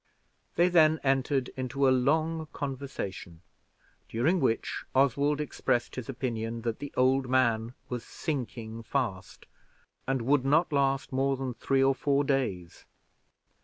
They then entered into a long conversation, during which Oswald expressed his opinion that the old man was sinking fast, and would not last more than three or four days.